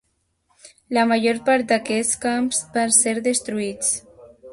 La major part d'aquests camps van ser destruïts.